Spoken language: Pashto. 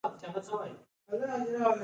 هسپانویانو خپل ټول پام نورو قلمرو ته اړولی و.